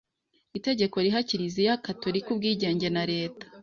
itegeko riha Kiliziya Gatorika ubwigenge na leta